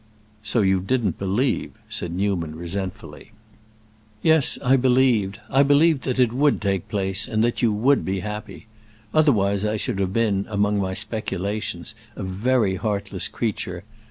"So you didn't believe," said Newman, resentfully. "Yes, I believed—I believed that it would take place, and that you would be happy. Otherwise I should have been, among my speculations, a very heartless creature.